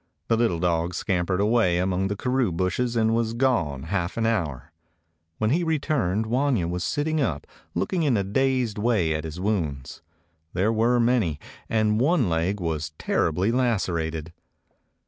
The little dog scampered away among the karoo bushes, and was gone half an hour. When he returned Wanya was sitting up, looking in a dazed way at his wounds. There were many, and one leg was terribly lacerated.